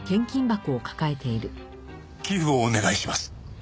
寄付をお願いします。